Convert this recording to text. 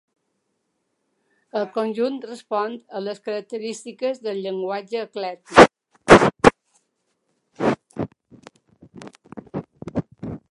El conjunt respon a les característiques del llenguatge eclèctic.